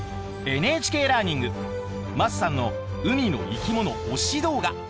ＮＨＫラーニング桝さんの海の生き物推し動画。